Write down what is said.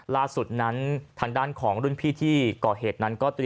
ล่าสุดนั้นทางด้านของรุ่นพี่ที่ก่อเหตุนั้นก็เตรียม